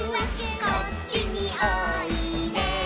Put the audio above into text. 「こっちにおいで」